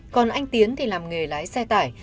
còn anh tiến thì làm nghề lái xe tăng